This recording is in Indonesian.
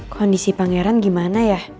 kondisi pangeran gimana ya